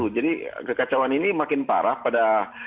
jadi kekacauan ini makin parah pada